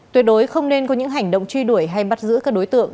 tuyệt đối không nên có những hành động truy đuổi hay bắt giữ các đối tượng